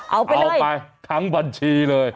เอาไปทั้งบัญชีเลย